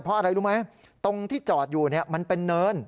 เพราะอะไรรู้ไหมตรงที่จอดอยู่มันเป็นเนิน